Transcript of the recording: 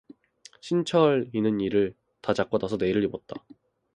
신철 이는이를 다 잡고 나서 내의를 입었다.